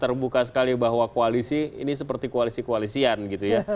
terbuka sekali bahwa koalisi ini seperti koalisi koalisian gitu ya